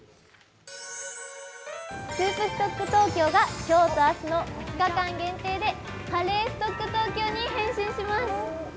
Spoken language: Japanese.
ＳｏｕｐＳｔｏｃｋＴｏｋｙｏが今日と明日の２日限定でＣｕｒｒｙＳｔｏｃｋＴｏｋｙｏに変身します。